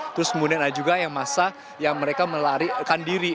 terus kemudian ada juga yang masa yang mereka melarikan diri